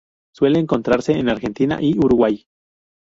Suele encontrarse en Argentina y Uruguay.